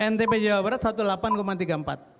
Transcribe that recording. ntp jawa barat delapan belas tiga puluh empat